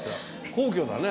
皇居だね。